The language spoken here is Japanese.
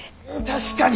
確かに。